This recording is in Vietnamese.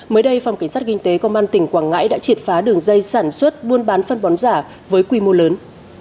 mới đây phòng cảnh sát kinh tế công an tỉnh quảng ngãi đã triệt phá đường dây sản xuất buôn bán phân bón giả với quy mô lớn